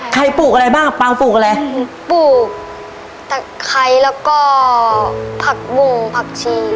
ปลูกอะไรบ้างเปล่าปลูกอะไรปลูกตะไคร้แล้วก็ผักบุ่งผักชี